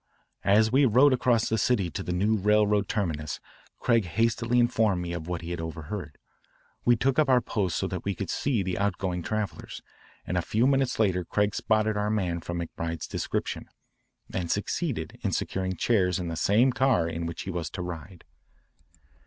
As we rode across the city to the new railroad terminus Craig hastily informed me of what he had overheard. We took up our post so that we could see the outgoing travellers, and a few minutes later Craig spotted our man from McBride's description, and succeeded in securing chairs in the same car in which he was to ride.